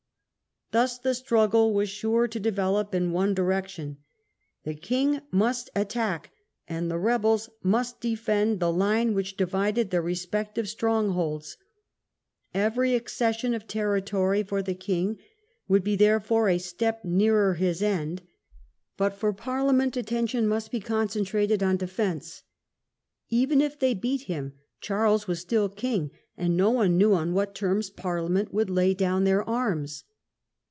Thus the struggle was sure to develop in one direction. The king must attack, and the rebels must defend, the line which divided their respective strong Nature of the holds. Every accession of territory for the »t>^reie king would be therefore a step nearer his end, but for Parliament attention must be concentrated on defence. Even if they beat him Charles was still king, and no one knew on what terms Parliament would lay down their arms.